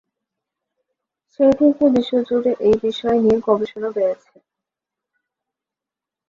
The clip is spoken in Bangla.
সেই থেকে বিশ্বজুড়ে এই বিষয় নিয়ে গবেষণা বেড়েছে।